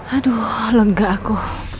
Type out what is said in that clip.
aduh lega aku